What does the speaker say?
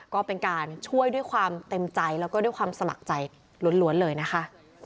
ก็เป็นการช่วยด้วยความเต็มใจแล้วก็ด้วยความสมัครใจล้วนเลยนะคะ